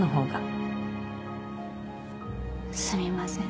すみません。